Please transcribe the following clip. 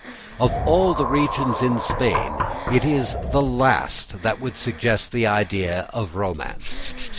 Of all the regions of Spain it is the last that would suggest the idea of romance.